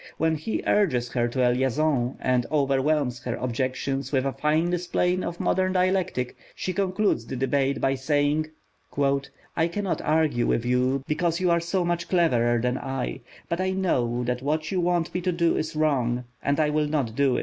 When he urges her to a liaison, and overwhelms her objections with a fine display of modern dialectic, she concludes the debate by saying, "I cannot argue with you, because you are so much cleverer than I; but I know that what you want me to do is wrong, and I will not do it."